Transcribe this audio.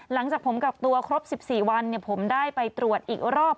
หลังจากผมกักตัวครบ๑๔วันผมได้ไปตรวจอีกรอบ